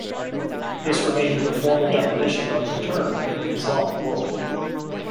This remained the formal definition of the term in the Islamic world.